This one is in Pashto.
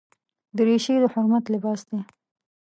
دریشي د حرمت لباس دی.